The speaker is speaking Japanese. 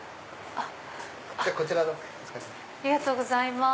ありがとうございます。